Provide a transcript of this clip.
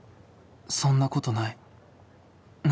そんなことない。